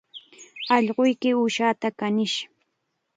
Allquyki uushaata kanish